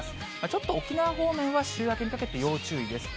ちょっと沖縄方面は、週明けにかけて要注意です。